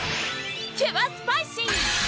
キュアスパイシー！